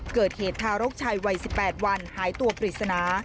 เกิดเหตุทารกชายวัยสิบแปดหายตัวผลิตสนา